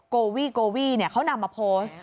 โกวี่โกวี่เขานำมาโพสต์